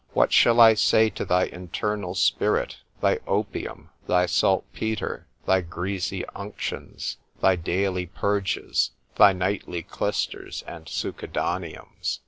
_ What shall I say to thy internal spirit,—thy opium, thy salt petre,——thy greasy unctions,—thy daily purges,—thy nightly clysters, and succedaneums?